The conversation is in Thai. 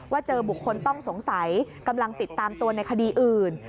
เจอบุคคลต้องสงสัยกำลังติดตามตัวในคดีอื่น